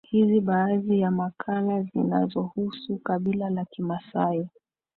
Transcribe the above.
Hizi baadhi ya makala zinazohusu kabila la kimaasai